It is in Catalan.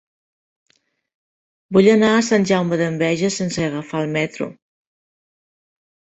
Vull anar a Sant Jaume d'Enveja sense agafar el metro.